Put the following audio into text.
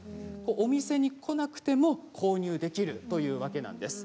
お店に来なくても購入できるというわけなんです。